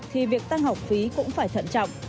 thì việc tăng học phí cũng phải thận trọng